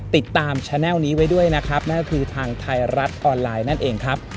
ติดตามแชนัลนี้ไว้ด้วยนะครับนั่นก็คือทางไทยรัฐออนไลน์นั่นเองครับ